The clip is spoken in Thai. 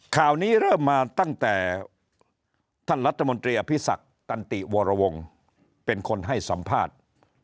ข่าวนี้เริ่มมาตั้งแต่ท่านรัฐมนตรีอภิษักตันติวรวงเป็นคนให้สัมภาษณ์